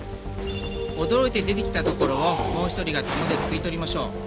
驚いて出て来たところをもう１人がタモですくい取りましょう。